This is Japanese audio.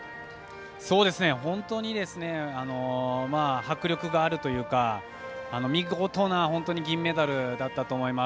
本当に迫力があるというか見事な銀メダルだったと思います。